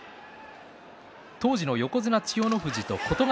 当時の横綱千代の富士と琴ヶ